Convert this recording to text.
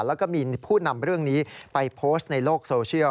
แล้วก็มีผู้นำเรื่องนี้ไปโพสต์ในโลกโซเชียล